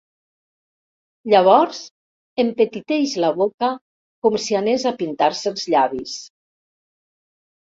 Llavors empetiteix la boca com si anés a pintar-se els llavis.